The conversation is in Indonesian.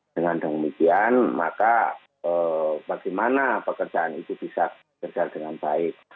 dengan demikian maka bagaimana pekerjaan itu bisa kerja dengan baik